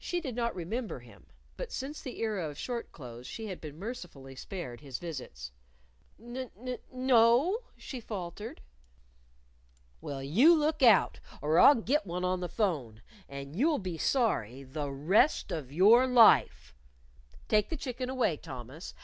She did not remember him. But since the era of short clothes she had been mercifully spared his visits. "N n no!" she faltered. "Well, you look out or I'll git one on the 'phone. And you'll be sorry the rest of your life.... Take the chicken away, Thomas.